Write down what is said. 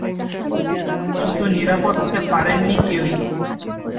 কিন্তু নিরাপদ হতে পারেনি কেউই।